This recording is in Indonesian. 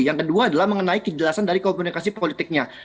yang kedua adalah mengenai kejelasan dari komunikasi politiknya